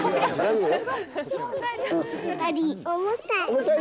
重たい。